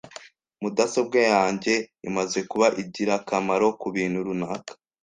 Mudasobwa yanjye imaze kuba ingirakamaro kubintu runaka.